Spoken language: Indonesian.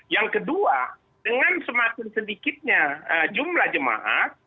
yang kedua dengan semakin sedikitnya jumlah jemaah